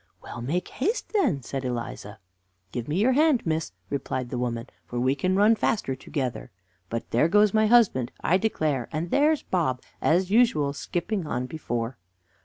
"Well, make haste, then," said Eliza. "Give me your hand, miss," replied the woman; "for we can run faster together. But there goes my husband, I declare; and there's Bob, as usual, skipping on before."